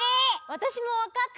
わたしもわかった。